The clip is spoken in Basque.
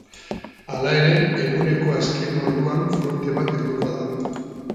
Hala ere, eguneko azken orduan fronte bat helduko da.